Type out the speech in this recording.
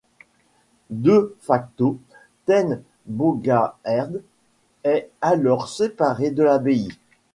De facto, Ten Bogaerde est alors séparée de l'abbaye.